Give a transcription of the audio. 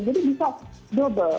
jadi bisa double